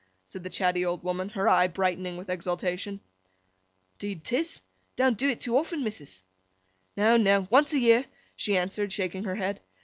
said the chatty old woman, her eye brightening with exultation. ''Deed 'tis. Don't do't too often, missus.' 'No, no. Once a year,' she answered, shaking her head.